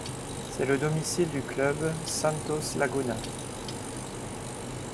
C'est le domicile du club Santos Laguna.